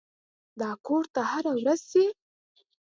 دا کور ته هره ورځ ځي.